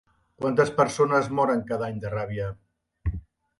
Quantes persones moren cada any de ràbia?